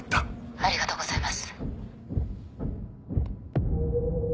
ありがとうございます。